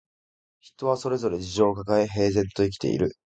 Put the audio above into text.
人はそれぞれ事情をかかえ、平然と生きている